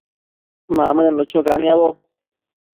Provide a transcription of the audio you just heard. Mamënnu cho caniabo